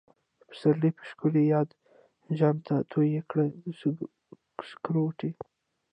د پسرلی په شکلی یاد، جام ته تویی کړه سکروټی